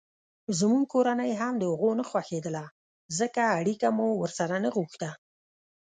زموږ کورنۍ هم دهغو نه خوښېدله ځکه اړیکه مو ورسره نه غوښته.